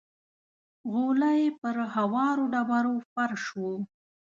غولی پر هوارو ډبرو فرش و.